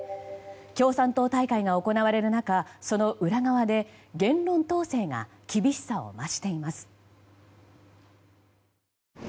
共産党大会が行われる中その裏側で言論統制が厳しさを増しています。